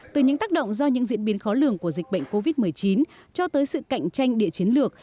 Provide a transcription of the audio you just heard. từ những tác động do những diễn biến khó lường của dịch bệnh covid một mươi chín cho tới sự cạnh tranh địa chiến lược